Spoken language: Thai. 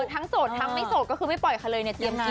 ทั้งโสดทั้งไม่โสดก็คือไม่ปล่อยเขาเลย